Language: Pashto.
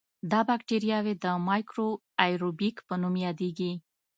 دا بکټریاوې د میکرو آئیروبیک په نوم یادیږي.